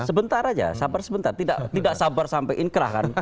sebentar aja sabar sebentar tidak sabar sampai inkrah kan